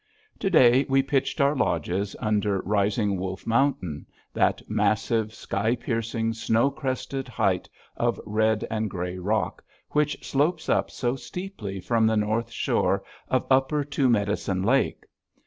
To day we pitched our lodges under Rising Wolf Mountain, that massive, sky piercing, snow crested height of red and gray rock which slopes up so steeply from the north shore of Upper Two Medicine Lake.